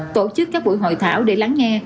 tổ chức các buổi hội thảo để lắng nghe